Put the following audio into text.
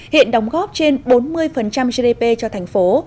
hiện đóng góp trên bốn mươi gdp cho thành phố